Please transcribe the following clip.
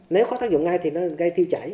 nếu có tác dụng ngay thì nó gây tiêu chảy